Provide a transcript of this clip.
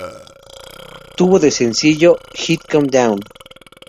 Tuvo de sencillo "Heat Come Down".